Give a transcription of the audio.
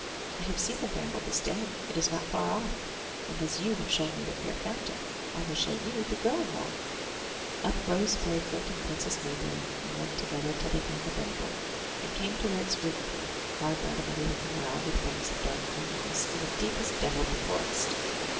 I have seen the bramble this day; it is not far off, and as you have shown me the Fair Foun tain, I will show you the Growing Well.'' 23 M Y BOOK HOUSE Up rose Fairyfoot and Princess Maybloom, and went together till they found the bramble, and came to where its root grew, hard by the muddy looking well, with banks of dark green moss, in the deepest dell of the forest.